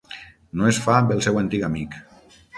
No es fa amb el seu antic amic.